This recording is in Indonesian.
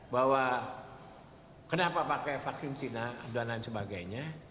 bahwa kenapa pakai vaksin cina dan lain sebagainya